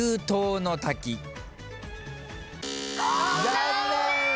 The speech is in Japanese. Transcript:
残念！